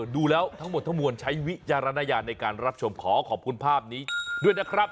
ดูแล้วทั้งหมดทั้งมวลใช้วิจารณญาณในการรับชมขอขอบคุณภาพนี้ด้วยนะครับ